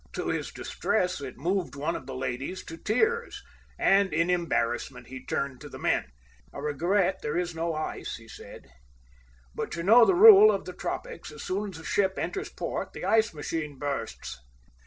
To his distress, it moved one of the ladies to tears, and in embarrassment he turned to the men. "I regret there is no ice," he said, "but you know the rule of the tropics; as soon as a ship enters port, the ice machine bursts."